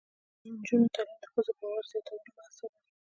د نجونو تعلیم د ښځو باور زیاتولو مرسته ده.